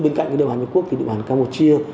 bên cạnh địa bàn nhật quốc thì địa bàn campuchia